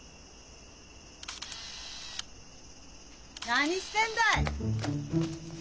何してんだい！